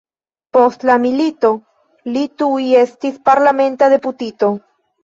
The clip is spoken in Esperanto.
Post la milito li tuj estis parlamenta deputito.